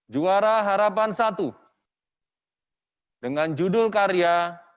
juara harapan satu dengan judul karya